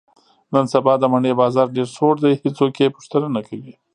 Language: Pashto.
نن سبا د مڼې بازار ډېر سوړ دی، هېڅوک یې پوښتنه نه کوي.